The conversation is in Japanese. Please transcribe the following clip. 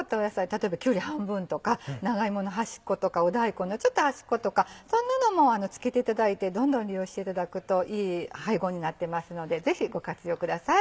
例えばきゅうり半分とか長いもの端っことか大根のちょっと端っことかそんなのも漬けていただいてどんどん利用していただくといい配合になってますのでぜひご活用ください。